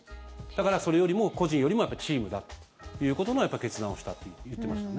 だから、それよりも個人よりもチームだということの決断をしたと言ってましたね。